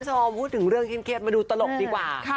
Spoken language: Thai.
คุณผู้ชมพูดถึงเรื่องเครียดมาดูตลกดีกว่า